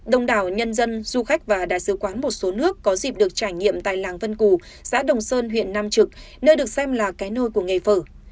đồng đảo nhân dân du khách và đại sứ quán một số nước có dịp được trải nghiệm tại làng vân cù xã đồng sơn huyện nam trực nơi được xem là cái nôi của nghề phở